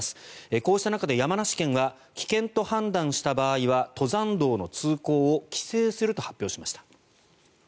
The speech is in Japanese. こうした中で山梨県は危険と判断した場合は登山道の通行を規制すると発表しました。